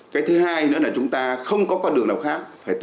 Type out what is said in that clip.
cái thứ hai nữa là chúng ta không có con đường nào khác